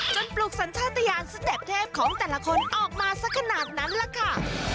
ปลุกสัญชาติยานสเต็ปเทพของแต่ละคนออกมาสักขนาดนั้นล่ะค่ะ